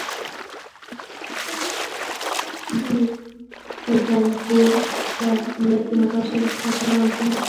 د پیټرزبورګ په نیت د مزار شریف خوا ته روان شو.